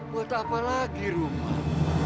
buat apa lagi rumah